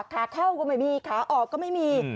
ขาเข้าก็ไม่มีขาออกก็ไม่มี